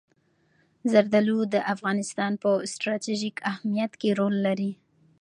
زردالو د افغانستان په ستراتیژیک اهمیت کې رول لري.